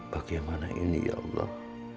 bagaimana ini ya allah